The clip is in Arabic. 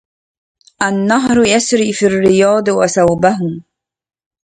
النهر يسري في الرياض وثوبه